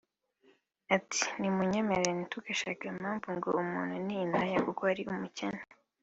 Ati “Munyemerere ntitugashake impamvu ngo umuntu ni indaya kuko ari umukene